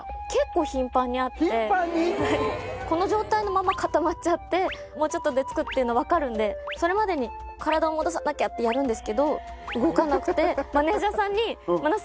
この状態のままかたまっちゃってもうちょっとで着くっていうの分かるんでそれまでに体を戻さなきゃってやるんですけど動かなくてマネジャーさんに。